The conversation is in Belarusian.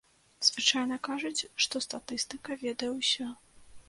Звычайна кажуць, што статыстыка ведае ўсё.